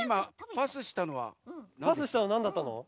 パスしたのなんだったの？